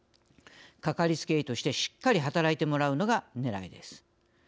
かかりつけ医としてしっかり働いてもらうのがねらいです。